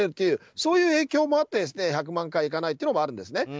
そういう影響もあって１００万回いかないというのもあるんですね。